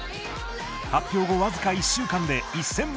発表後僅か１週間で１，０００万